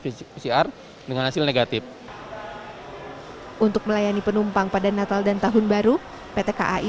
pcr dengan hasil negatif untuk melayani penumpang pada natal dan tahun baru pt kai